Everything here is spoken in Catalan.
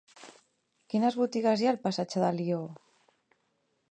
Quines botigues hi ha al passatge d'Alió?